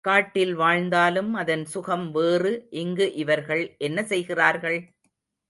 காட்டில் வாழ்ந்தாலும் அதன் சுகம் வேறு இங்கு இவர்கள் என்ன செய்கிறார்கள்?